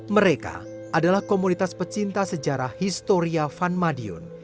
mereka adalah komunitas pecinta sejarah historia van madiun